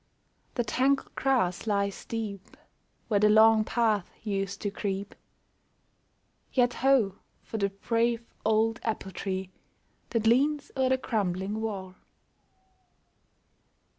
The tangled grass lies deep Where the long path used to creep ; Yet ho ! for the brave old apple tree That leans o'er the crumbling wall